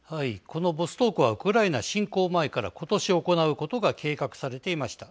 このボストークはウクライナ侵攻前から今年、行うことが計画されていました。